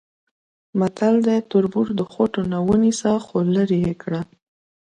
متل دی: تربور د خوټونه ونیسه خولرې یې کړه.